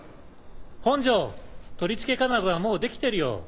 本庄取り付け金具はもう出来てるよ。